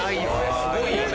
すごいよね。